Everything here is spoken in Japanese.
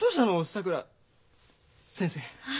さくら先生。